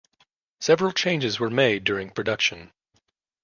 Several changes were made during production.